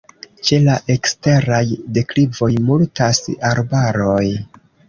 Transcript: Ĉe la eksteraj deklivoj multas arbaroj.